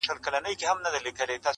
وارخطا سو ویل څه غواړې په غره کي.!